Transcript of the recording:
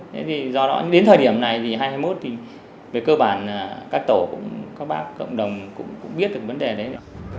thế thì do đó đến thời điểm này thì hai nghìn hai mươi một thì về cơ bản các tổ cũng các bác cộng đồng cũng biết được vấn đề đấy ạ